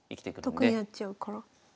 得になっちゃうから。